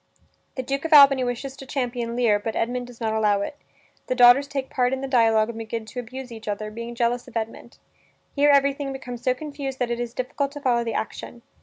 The Duke of Albany wishes to champion Lear, but Edmund does not allow it. The daughters take part in the dialog and begin to abuse each other, being jealous of Edmund. Here everything becomes so confused that it is difficult to follow the action.